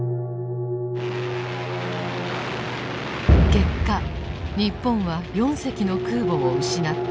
結果日本は４隻の空母を失って敗北。